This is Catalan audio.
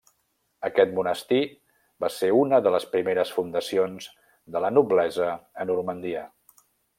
Aquest monestir va ser una de les primeres fundacions de la noblesa a Normandia.